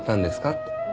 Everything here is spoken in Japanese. って。